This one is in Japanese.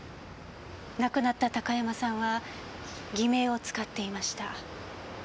亡くなった高山さんは偽名を使っていました。